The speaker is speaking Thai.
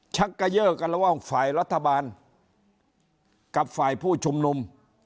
ชักเกย่อกันระหว่างฝ่ายรัฐบาลกับฝ่ายผู้ชุมนุม